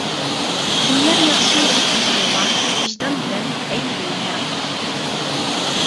كىملەر ياخشى ۋە كىملەر يامان، ۋىجدان بىلەن ئەيلىگىن پەرق.